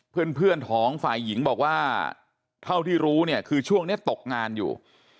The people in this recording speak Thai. เพื่อนของฝ่ายหญิงบอกว่าเท่าที่รู้เนี่ยคือช่วงนี้ตกงานอยู่